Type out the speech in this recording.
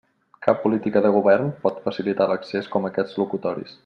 Cap política de govern pot facilitar l'accés com aquests locutoris.